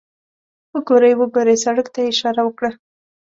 وګورئ، وګورئ، سړک ته یې اشاره وکړه.